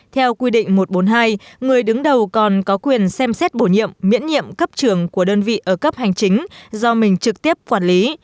theo quy định một trăm bốn mươi hai người đứng đầu còn có quyền xem xét bổ nhiệm miễn nhiệm cấp trường của đơn vị ở cấp hành chính do mình trực tiếp quản lý